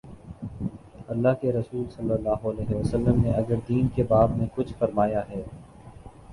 اﷲ کے رسولﷺ نے اگر دین کے باب میں کچھ فرمایا ہے۔